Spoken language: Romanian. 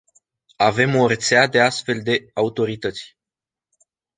Avem o rețea de astfel de autorități.